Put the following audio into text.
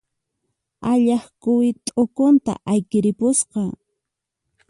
Allaq quwi t'uqunta ayqiripusqa.